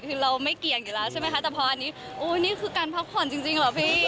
คือเราไม่เกี่ยงอยู่แล้วใช่ไหมคะแต่พออันนี้โอ้นี่คือการพักผ่อนจริงเหรอพี่